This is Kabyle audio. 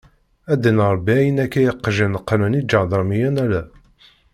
A ddin Ṛebbi ayen akka iqjan qnen iǧadarmiyen ala.